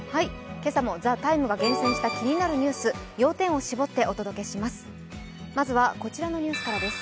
今朝も「ＴＨＥＴＩＭＥ，」が厳選した気になるニュース、要点を絞ってお届けします。